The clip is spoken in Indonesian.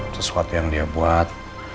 sesuatu yang dia buat